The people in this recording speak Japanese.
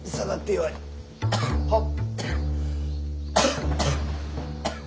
はっ。